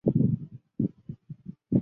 该枪最初被设计为执法机关的武器。